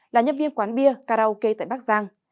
là nhân viên quán bia karaoke tại bắc giang